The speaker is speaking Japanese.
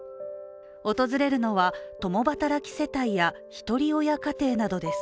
訪れるのは、共働き世帯やひとり親家庭などです。